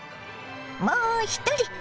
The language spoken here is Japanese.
もう一人。